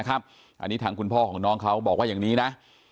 อันนี้ทางคุณพ่อของน้องเขาบอกว่าอย่างนี้นะ